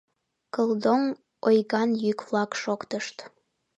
Клдоҥ! ойган йӱк-влак шоктышт.